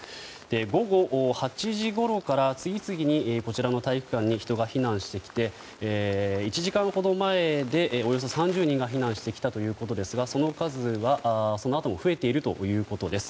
午後８時ごろから次々に、こちらの体育館に人が避難してきて１時間ほど前で、およそ３０人が避難してきたということですがその数はそのあとも増えているということです。